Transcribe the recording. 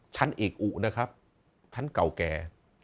ตรเอกอุนะครับตรกราวแก่